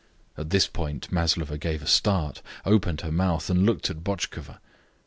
At this point Maslova gave a start, opened her mouth, and looked at Botchkova.